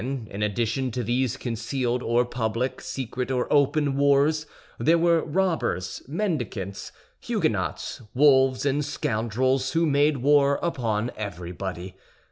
Then, in addition to these concealed or public, secret or open wars, there were robbers, mendicants, Huguenots, wolves, and scoundrels, who made war upon everybody.